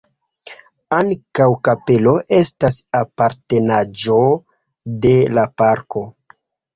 Ankaŭ kapelo estas apartenaĵo de la parko.